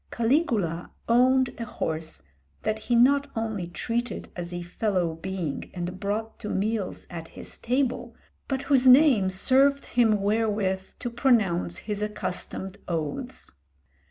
Caligula owned a horse that he not only treated as a fellow being and brought to meals at his table, but whose name served him wherewith to pronounce his accustomed oaths.